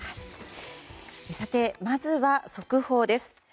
さて、まずは速報です。